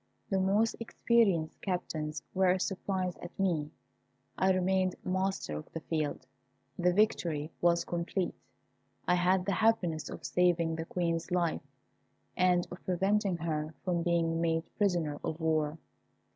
The most experienced captains were surprised at me. I remained master of the field. The victory was complete. I had the happiness of saving the Queen's life, and of preventing her from being made prisoner of war.